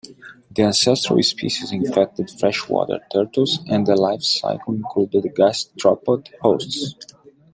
The ancestral species infected freshwater turtles and the life cycle included gastropod hosts.